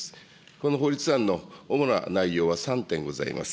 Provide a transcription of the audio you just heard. この法律案の主な内容は３点ございます。